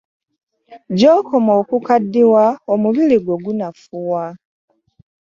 Gyokoma okukadiwa omubiri gwo gunafuwa.